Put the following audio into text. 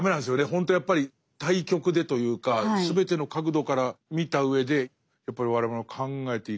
ほんとやっぱり対極でというか全ての角度から見た上でやっぱり我々も考えていかないと。